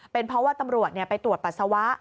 เป็นเพราะว่าตำรวจไปตรวจปัสสาวะ